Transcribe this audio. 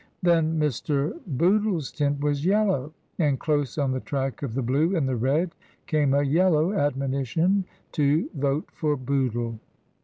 Then Mr. Bootle's tint was Yellow, and close on the track of the Blue and the Red came a Yellow admonition to " Vote for Bootle."